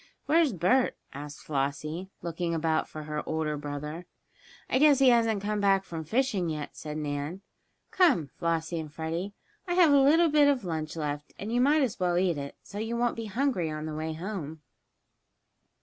"Where's Bert?" asked Flossie, looking about for her older brother. "I guess he hasn't come back from fishing yet," said Nan. "Come, Flossie and Freddie, I have a little bit of lunch left, and you might as well eat it, so you won't be hungry on the way home."